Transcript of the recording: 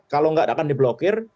kalau nggak akan di blokir